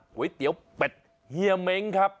ก๋วยเตี๋ยวเป็ดเฮียเม้งครับ